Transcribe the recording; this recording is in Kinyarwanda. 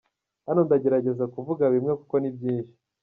Hano ndagerageza kuvuga bimwe kuko ni byinshi.